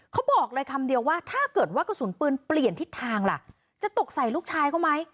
เขาบอกเลยคำเดียวว่าถ้าเกิดว่ากระสุนปืนเปลี่ยนทิศทางล่ะจะตกใส่ลูกชายเขาไหม